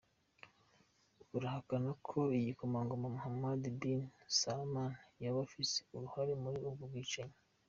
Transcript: Burahakana ko igikomangoma Mohammed bin Salman yoba afise uruhara muri ubwo bwicanyi.